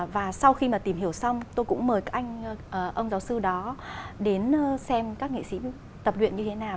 và sau khi mà tìm hiểu xong tôi cũng mời các anh ông giáo sư đó đến xem các nghệ sĩ tập luyện như thế nào